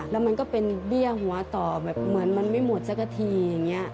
แล้วมันก็เป็นเบี้ยหัวต่อแบบเหมือนมันไม่หมดสักทีอย่างนี้